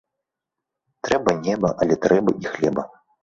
Трэба неба, але трэба і хлеба.